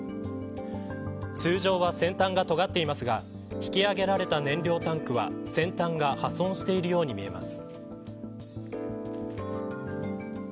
通常は先端がとがっていますが引き揚げられた燃料タンクは先端が破損しているように見えます。